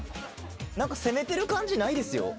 何か攻めてる感じないですよ。